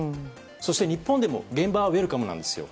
そして日本でも現場はウェルカムなんですよ。